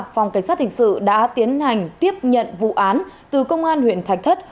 phòng cảnh sát hình sự đã tiến hành tiếp nhận vụ án từ công an huyện thạch thất